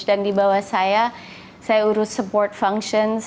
dan di bawah saya saya urus support function